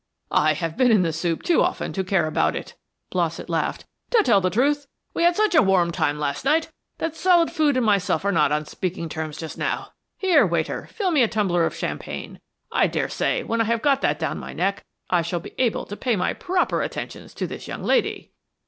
"I have been in the soup too often to care about it," Blossett laughed. "To tell the truth, we had such a warm time last night that solid food and myself are not on speaking terms just now. Here, waiter, fill me a tumbler of champagne. I daresay when I have got that down my neck I shall be able to pay my proper attentions to this young lady."